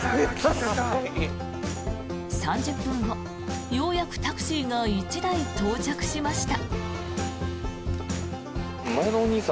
３０分後、ようやくタクシーが１台到着しました。